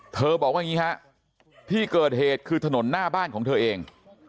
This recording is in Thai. บอกว่าอย่างนี้ฮะที่เกิดเหตุคือถนนหน้าบ้านของเธอเอง